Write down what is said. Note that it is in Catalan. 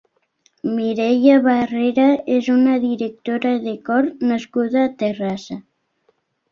Mireia Barrera és una directora de cor nascuda a Terrassa.